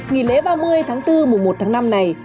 nghỉ lễ ba mươi tháng bốn mùa một tháng năm này